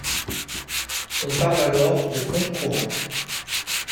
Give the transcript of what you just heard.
On parle alors de comptes courants.